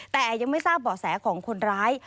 แต่ยังไม่ทราบเบาะแสของคนร้าย